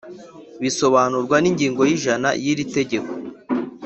bisobanurwa n ingingo y’ijana y iri tegeko